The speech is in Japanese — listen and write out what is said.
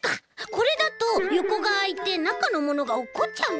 これだとよこがあいてなかのものがおっこっちゃうんだ。